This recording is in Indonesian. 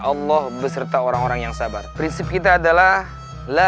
allah beserta orang orang yang sabar prinsip kita adalah latakhof walatahzan inna allaha